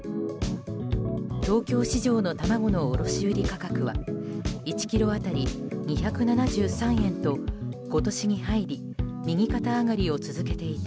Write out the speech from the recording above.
東京市場の卵の卸売価格は１ｋｇ当たり２７３円と今年に入り右肩上がりを続けていて